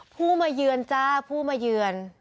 ผู้มาเยือนจ้าผู้มาเยือน